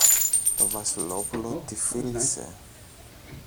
Το Βασιλόπουλο τη φίλησε.